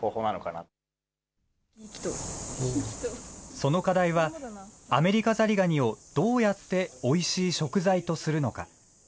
その課題は、アメリカザリガニをどうやっておいしい食材とするのか。